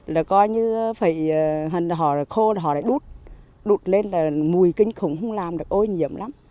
là coi như phải hình họ khô họ lại đút đút lên là mùi kinh khủng không làm được ô nhiễm lắm